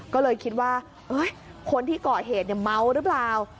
ก็เลยคิดว่าคนที่ก่อเหตุเมาหรือเปล่า